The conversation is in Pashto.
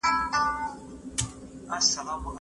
ایا واړه پلورونکي پسته ساتي؟